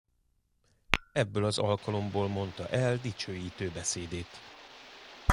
Ebből az alkalomból mondta el dicsőítő beszédét.